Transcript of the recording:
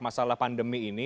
masalah pandemi ini